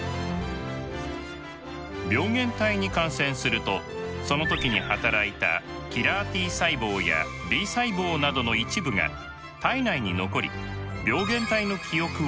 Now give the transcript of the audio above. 病原体に感染するとその時に働いたキラーＴ細胞やＢ細胞などの一部が体内に残り病原体の記憶を持ち続けます。